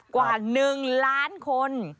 กว่า๑ล้านคน